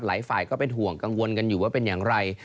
หลายฝ่ายก็เป็นห่วงกังวลอย่างไร